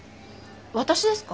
私ですか？